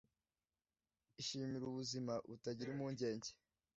ishimire ubuzima butagira impungenge